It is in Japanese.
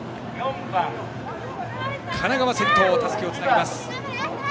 神奈川が先頭でたすきをつなぎます。